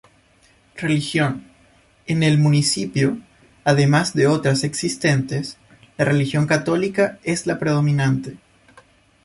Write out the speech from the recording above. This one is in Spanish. Religión: En el municipio, además de otras existentes, la religión católica es la predominante.